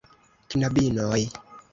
Knabinoj!